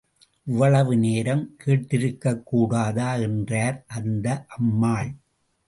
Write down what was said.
இவ்வளவு நேரம் கேட்டிருக்கக்கூடாதா என்றார் அந்த அம்மாள்.